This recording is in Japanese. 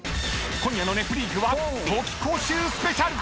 ［今夜の『ネプリーグ』は冬期講習スペシャル！］